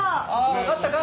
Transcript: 分かったか？